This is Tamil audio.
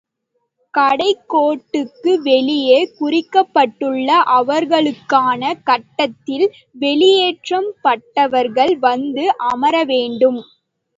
கடைக்கோட்டுக்கு வெளியே குறிக்கப்பட்டுள்ள அவர்களுக்கான கட்டத்தில் வெளியேற்றப் பட்டவர்கள் வந்து அமர வேண்டும்.